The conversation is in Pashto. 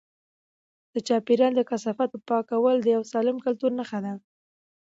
د چاپیریال د کثافاتو پاکول د یو سالم کلتور نښه ده.